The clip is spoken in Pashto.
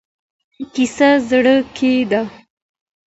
کیسه زړه کي ده.